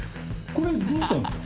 これどうしたんですか？